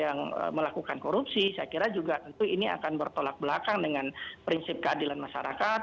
yang melakukan korupsi saya kira juga tentu ini akan bertolak belakang dengan prinsip keadilan masyarakat